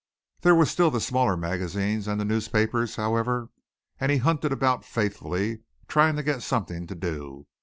There were still the smaller magazines and the newspapers, however, and he hunted about faithfully, trying to get something to do.